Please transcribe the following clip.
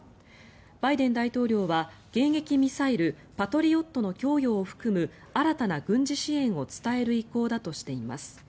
バイデン大統領は迎撃ミサイル、パトリオットの供与を含む新たな軍事支援を伝える意向だとしています。